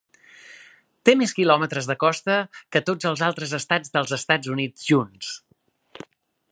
Té més quilòmetres de costa que tots els altres estats dels Estats Units junts.